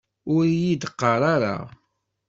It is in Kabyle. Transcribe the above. Ur iyi-d-qqar ara!